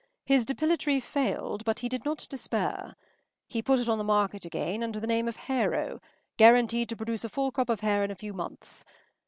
His depilatory failed, but he did not despair. He put it on the market again under the name of Hair o, guaranteed to produce a full crop of hair in a few months.